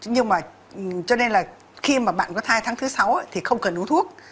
nhưng mà cho nên là khi mà bạn có thai tháng thứ sáu thì không cần uống thuốc